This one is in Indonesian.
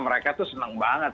mereka tuh senang banget